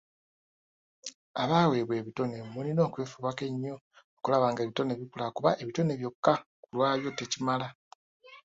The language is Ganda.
Abaaweebwa ebitone mulina okwefubako ennyo okulaba ng'ebitone bikula kuba ebitone byokka ku lwabyo tekimala.